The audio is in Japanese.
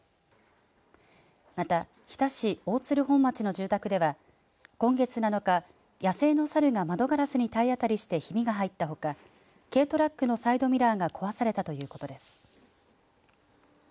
また日田市大鶴本町の住宅では今月７日、野生のサルが窓ガラスに体当たりしてひびが入ったほか軽トラックのサイドミラーが壊されたということです。